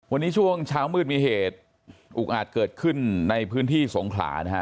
วันนี้ช่วงเช้ามืดมีเหตุอุกอาจเกิดขึ้นในพื้นที่สงขลานะฮะ